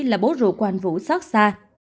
là bố rùa của anh vũ xót xa